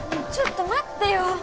ちょっと待ってよ。